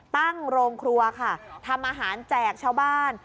ตั้งโรงครัวค่ะทำอาหารแจกชาวบ้าน